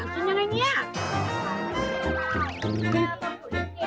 กินยังไงเนี่ย